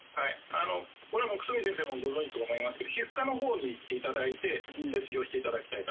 これ、久住先生もご存じと思いますけど皮膚科のほうに行っていただいて切除していただきたいと。